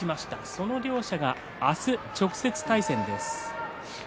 その両者が明日直接対戦です。